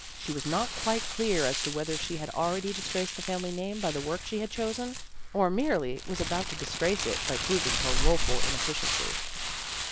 She was not quite clear as to whether she had already dis graced the family name by the work she had chosen, or merely was about to disgrace it, by proving her woeful inefficiency.